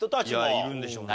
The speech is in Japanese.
いるんでしょうね。